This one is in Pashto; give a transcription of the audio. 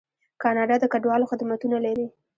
کاناډا د کډوالو خدمتونه لري.